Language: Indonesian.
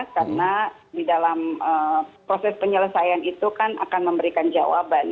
karena di dalam proses penyelesaian itu kan akan memberikan jawaban